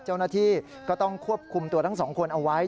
เจ้าหน้าที่ก็ต้องควบคุมตัวทั้งสองคนเอาไว้